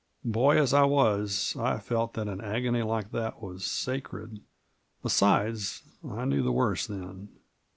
Boy as I was, I felt that an agony like that was sacred ; besides, I knew the worst then.